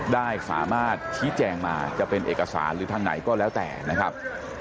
ได้สามารถชี้แจงมาจะเป็นเอกสารหรือทางไหนก็แล้วแต่นะครับ